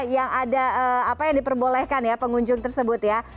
yang ada apa yang diperbolehkan ya pengunjung tersebut ya